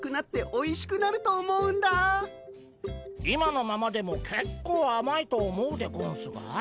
今のままでもけっこうあまいと思うでゴンスが。